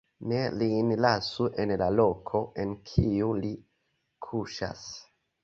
Ne lin lasu en la loko, en kiu li kuŝas.